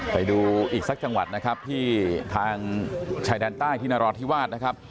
ไปดูอีกสักจังหวัดนะครับที่ทางชายแดนใต้ที่นราธิวาสนะครับ